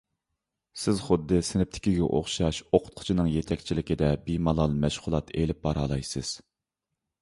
سىز خۇددى سىنىپتىكىگە ئوخشاش ئوقۇتقۇچىنىڭ يېتەكچىلىكىدە بىمالال مەشغۇلات ئېلىپ بارالايسىز.